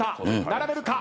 並べるか。